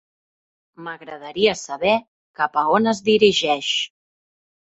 M'agradaria saber cap a on es dirigeix.